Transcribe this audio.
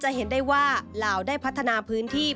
เห็นได้ว่าลาวได้พัฒนาพื้นที่